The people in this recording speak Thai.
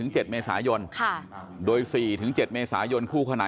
การสอบส่วนแล้วนะ